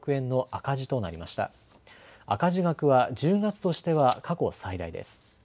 赤字額は１０月としては過去最大です。